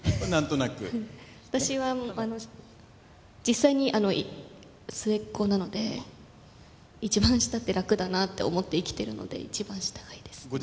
なんとなく私は実際に末っ子なので一番下って楽だなって思って生きてるので一番下がいいです